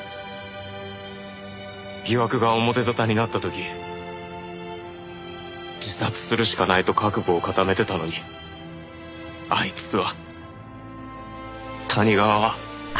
疑惑が表沙汰になった時自殺するしかないと覚悟を固めてたのにあいつは谷川は。